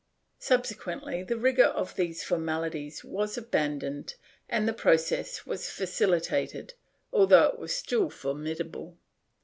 Subsequently the rigor of these formalities was abandoned and the process was facilitated, although it was still formidable.